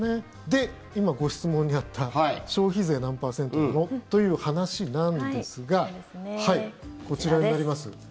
で、今ご質問にあった消費税何パーセントなの？という話なんですがこちらになります。